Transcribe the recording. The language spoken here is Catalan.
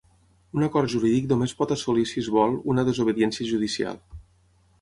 Un acord jurídic només pot assolir si es vol, una desobediència judicial.